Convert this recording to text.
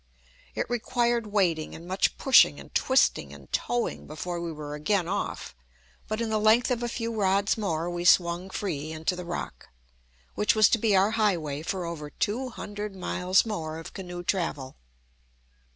It required wading and much pushing and twisting and towing before we were again off, but in the length of a few rods more we swung free into the Rock, which was to be our highway for over two hundred miles more of canoe travel.